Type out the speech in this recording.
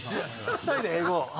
２人で英語。